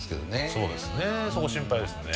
そうですねそこ心配ですね。